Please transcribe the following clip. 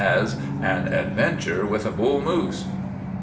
as— 'AN ADVENTURE WITH A BULL MOOSE.